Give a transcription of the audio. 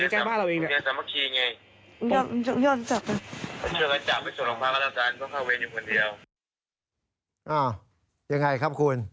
คือเดี๋ยวนะ